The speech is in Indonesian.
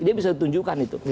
dia bisa ditunjukkan itu